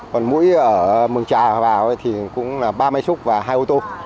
còn mũi ở mừng trà thì cũng là ba máy xúc và hai ô tô